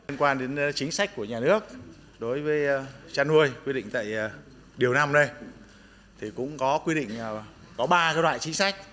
liên quan đến chính sách của nhà nước đối với chăn nuôi quy định tại điều năm đây thì cũng có quy định có ba loại chính sách